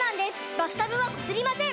バスタブはこすりません！